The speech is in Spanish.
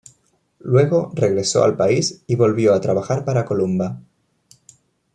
Luego regresó al país y volvió a trabajar para Columba.